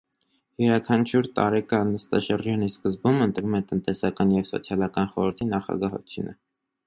Յուրաքանչյուր տարեկան նստաշրջանի սկզբում ընտրվում է տնտեսական և սոցիալական խորհրդի նախագահությունը։